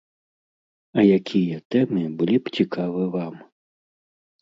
А якія тэмы былі б цікавы вам?